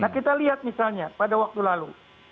nah kita lihat misalnya pada waktu lalu